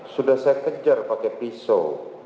sudah saya kejar pakai pisau